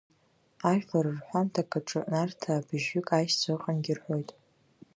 Ажәлар рҳәамҭак аҿы Нарҭаа быжьҩык аишьцәа ыҟангьы рҳәоит.